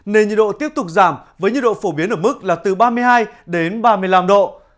nên nhiệt độ tiếp tục giảm với nhiệt độ phổ biến ở mức là từ ba mươi hai đến ba mươi năm độ